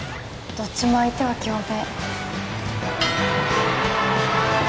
どっちも相手は京明。